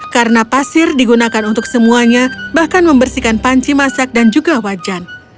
karena pasir digunakan untuk semuanya bahkan membersihkan panci masak dan juga wajan